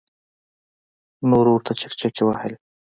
نورو ورته چکچکې وهلې.